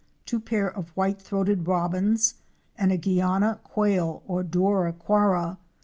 * two pair of White throated Robins,'" and a Guiana Quail or Douraquara.